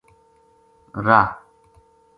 راہ